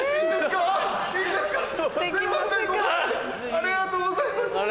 ありがとうございます。